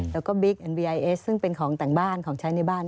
แล้วก็บิ๊กเอ็นบีไอเอสซึ่งเป็นของแต่งบ้านของใช้ในบ้าน